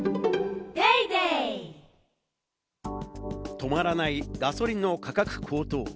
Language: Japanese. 止まらないガソリンの価格高騰。